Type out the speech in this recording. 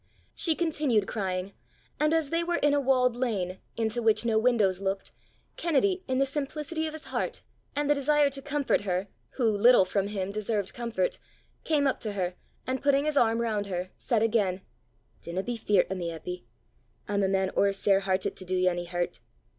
She continued crying, and as they were in a walled lane into which no windows looked, Kennedy, in the simplicity of his heart, and the desire to comfort her who little from him deserved comfort, came up to her, and putting his arm round her, said again, "Dinna be feart o' me, Eppy. I'm a man ower sair hertit to do ye ony hurt.